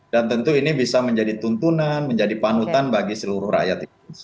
dan tentu ini bisa menjadi tuntunan menjadi panutan bagi seluruh rakyat